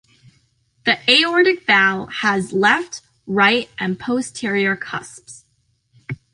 The aortic valve has left, right, and posterior cusps.